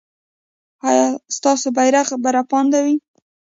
ایا ستاسو بیرغ به رپانده وي؟